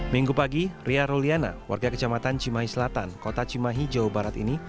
minggu pagi ria ruliana warga kecamatan cimahi selatan kota cimahi jawa barat ini